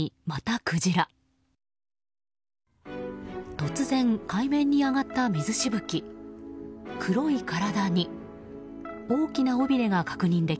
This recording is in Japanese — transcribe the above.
突然海面に上がった水しぶき。